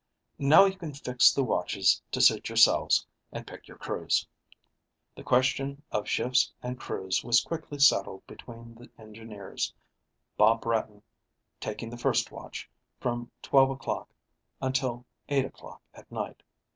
Now you can fix the watches to suit yourselves and pick your crews." The question of shifts and crews was quickly settled between the engineers, Bob Bratton taking the first watch, from 12:00 o'clock until 8:00 o'clock at night.